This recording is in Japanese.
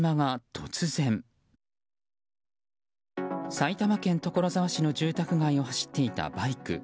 埼玉県所沢市の住宅街を走っていたバイク。